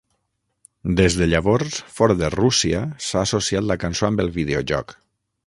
Des de llavors, fora de Rússia s'ha associat la cançó amb el videojoc.